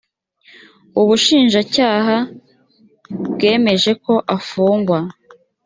ubushinjacyaha bwemeje ko afungurwa.